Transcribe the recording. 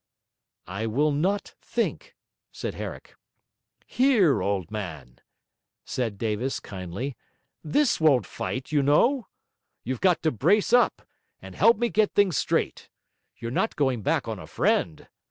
'I will NOT think,' said Herrick. 'Here, old man!' said Davis, kindly; 'this won't fight, you know! You've got to brace up and help me get things straight. You're not going back on a friend?